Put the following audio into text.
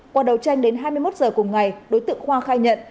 qua đầu tranh đến hai mươi một h cùng ngày đối tượng khoa khai nhận